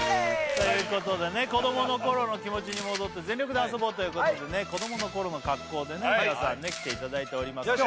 ということでね子供の頃の気持ちに戻って全力で遊ぼうということでね子供の頃の格好でね皆さんね来ていただいております